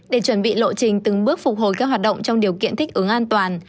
để chuẩn bị lộ trình từng bước phục hồi các hoạt động trong điều kiện thích ứng an toàn